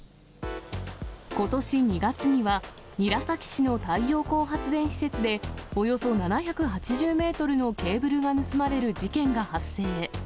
ことし２月には、韮崎市の太陽光発電施設で、およそ７８０メートルのケーブルが盗まれる事件が発生。